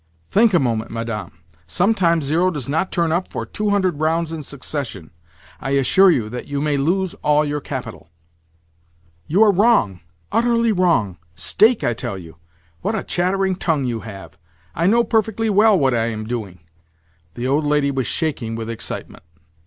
"Think a moment, Madame. Sometimes zero does not turn up for two hundred rounds in succession. I assure you that you may lose all your capital." "You are wrong—utterly wrong. Stake, I tell you! What a chattering tongue you have! I know perfectly well what I am doing." The old lady was shaking with excitement.